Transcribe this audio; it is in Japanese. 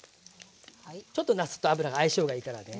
ちょっとなすと油が相性がいいからね。